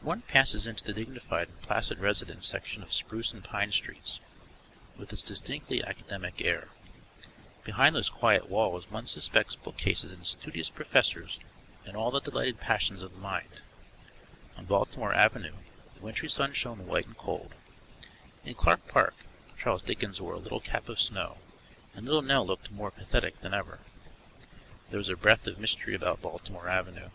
One passes into the dignified and placid residence section of Spruce and Pine streets, with its distinctly academic air. Behind those quiet walls one suspects bookcases and studious professors and all the delightful passions of the mind. On Baltimore Avenue the wintry sun shone white and cold; in Clark Park, Charles Dickens wore a little cap of snow, and Little Nell looked more pathetic than ever. There is a breath of mystery about Baltimore Avenue.